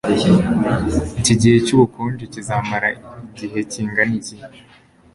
iki gihe cyubukonje kizamara igihe kingana iki